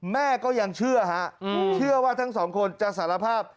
แม่ก็ยังเชื่อฮะเชื่อว่าทั้งสองคนจะสารภาพ